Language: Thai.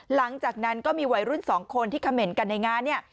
หลังจากนั้นก็มีวัยรุ่นสองคนที่คำเหม็นกันในงาน